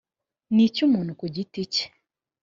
n icy umuntu ku giti cye